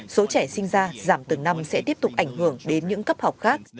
số trẻ sinh ra giảm từng năm sẽ tiếp tục ảnh hưởng đến những cấp học khác